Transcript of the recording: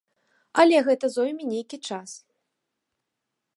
Але гэта зойме нейкі час.